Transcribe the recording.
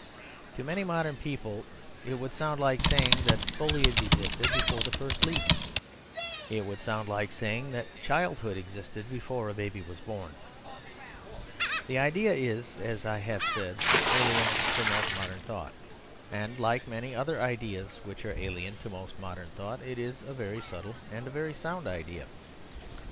To many modern people it would sound like saying that foliage existed before the first leaf; it would sound like saying that childhood existed before a baby was born. The idea is, as I have said, alien to most modern thought, and like many other ideas which are alien to most modern thought, it is a very subtle and a very sound idea.